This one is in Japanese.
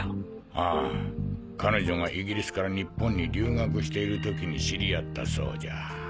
あぁ彼女がイギリスから日本に留学している時に知り合ったそうじゃ。